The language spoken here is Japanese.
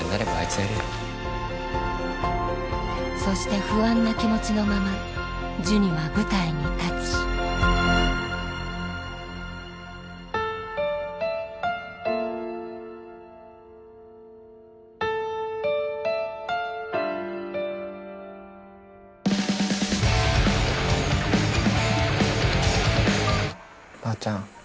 そして不安な気持ちのままジュニは舞台に立ちばあちゃん